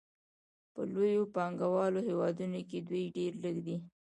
په لویو پانګوالو هېوادونو کې دوی ډېر لږ دي